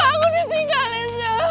eh aku ditinggalin